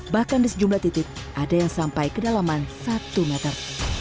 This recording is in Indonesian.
bahkan di sejumlah titik ada yang sampai kedalaman satu meter